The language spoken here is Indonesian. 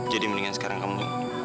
jadi mendingan sekarang kamu